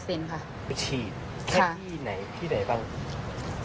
เฉียดแค่ที่ไหนที่ไหนบ้าง